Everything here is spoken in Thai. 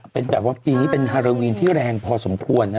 เป็นแบบว่าจริงเป็นฮาราวีนที่แรงพอสมควรนะฮะ